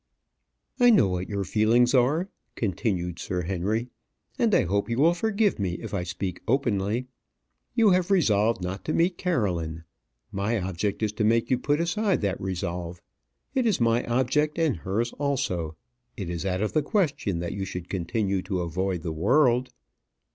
"I know what your feelings are," continued Sir Henry; "and I hope you will forgive me if I speak openly. You have resolved not to meet Caroline. My object is to make you put aside that resolve. It is my object and hers also. It is out of the question that you should continue to avoid the world.